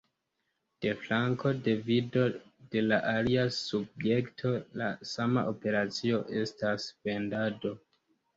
De flanko de vido de la alia subjekto la sama operacio estas vendado.